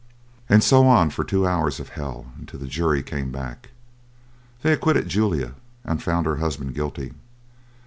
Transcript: And so on for two hours of hell until the jury came back. They acquitted Julia and found her husband guilty.